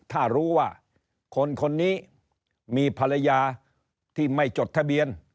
ถ้ารู้ว่าคนคนนี้มีภรรยาที่ไม่จดทะเบียน